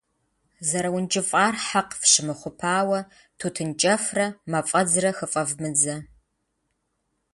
ЗэрыункӀыфӀар хьэкъ фщымыхъупауэ тутын кӀэфрэ мафӀэдзрэ хыфӀэвмыдзэ.